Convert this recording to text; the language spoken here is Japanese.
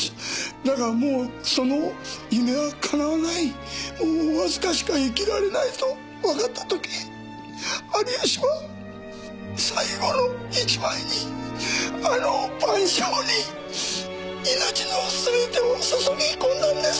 だがもうその夢は叶わないもうわずかしか生きられないとわかったとき有吉は最後の一枚にあの『晩鐘』に命のすべてを注ぎ込んだんです！